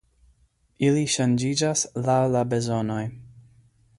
Ili ŝanĝiĝas laŭ la bezonoj.